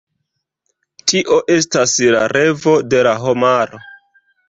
Tio estas la revo de la homaro.